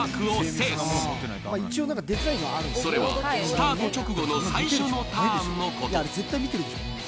それは、スタート直後の最初のターンのこと。